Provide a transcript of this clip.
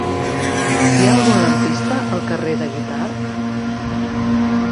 Hi ha algun lampista al carrer de Guitard?